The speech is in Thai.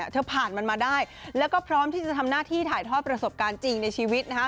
ผ่านมันมาได้แล้วก็พร้อมที่จะทำหน้าที่ถ่ายทอดประสบการณ์จริงในชีวิต